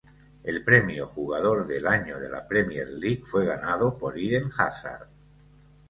El premio Jugador del Año de la Premier League fue ganado por Eden Hazard.